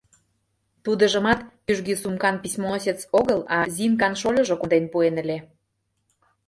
Тудыжымат кӱжгӱ сумкан письмоносец огыл, а Зинкан шольыжо конден пуэн ыле.